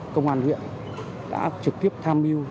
công an huyện đã trực tiếp tham mưu